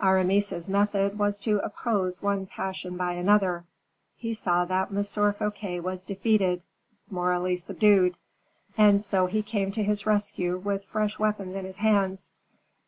Aramis's method was to oppose one passion by another. He saw that M. Fouquet was defeated morally subdued and so he came to his rescue with fresh weapons in his hands.